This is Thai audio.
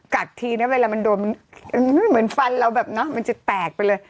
กัดทีเวลามันโดนเหมือนฟันเราแบบนั้นมันจะแตกไปเลย